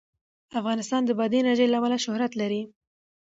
افغانستان د بادي انرژي له امله شهرت لري.